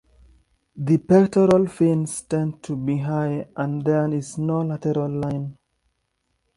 The pectoral fins tend to be high, and there is no lateral line.